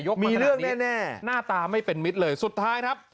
มีเรื่องแน่หน้าตาไม่เป็นมิตรเลยสุดท้ายครับ